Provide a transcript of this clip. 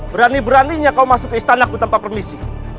berani beraninya kau masuk ke istanaku tanpa permisi